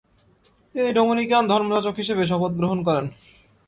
তিনি ডোমিনিকান ধর্মযাজক হিসেবে শপথ গ্রহণ করেন।